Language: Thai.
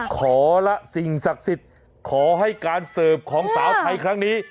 ขอละสิ่งศักดิ์สิทธิ์ขอให้การเสิร์ฟของสาวไทยครั้งนี้